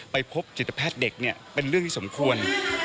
ไปพบจิตแพทย์เด็กเนี่ยเป็นเรื่องที่สมควร